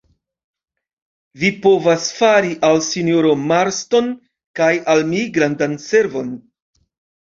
Vi povas fari al sinjoro Marston kaj al mi grandan servon.